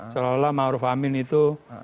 seolah olah maruf amin itu